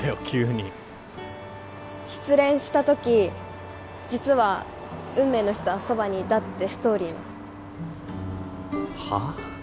急に失恋した時実は運命の人はそばにいたってストーリーのはあ？